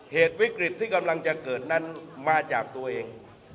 เหตุวิกฤตที่กำลังจะเกิดนั้นมาจากตัวเอง